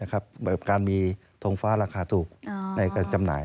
การมีทงฟ้าราคาถูกในการจำหน่าย